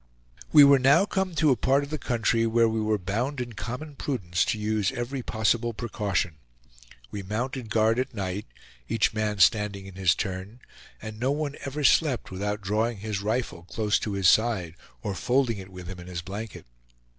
We were now come to a part of the country where we were bound in common prudence to use every possible precaution. We mounted guard at night, each man standing in his turn; and no one ever slept without drawing his rifle close to his side or folding it with him in his blanket.